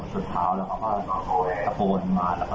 ใช้เท้ายานทีครับ